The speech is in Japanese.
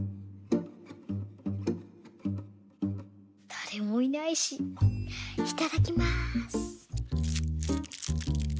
だれもいないしいただきます。